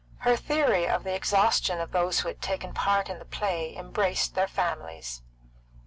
Her theory of the exhaustion of those who had taken part in the play embraced their families.